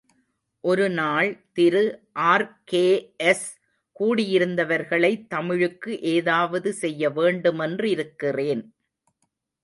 ஒருநாள் திருஆர்.கே.எஸ், கூடியிருந்தவர்களை தமிழுக்கு ஏதாவது செய்ய வேண்டுமென்றிருக்கிறேன்.